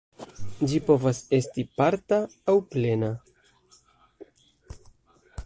Ĝi povas esti parta aŭ plena.